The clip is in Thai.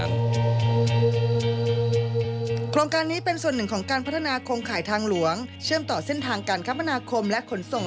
โครงการนี้เป็นส่วนหนึ่งของการพัฒนาโครงข่ายทางหลวงเชื่อมต่อเส้นทางการคมนาคมและขนส่ง